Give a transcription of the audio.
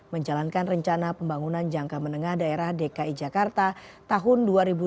menjalankan rencana pembangunan jangka menengah daerah dki jakarta tahun dua ribu delapan belas dua ribu dua puluh dua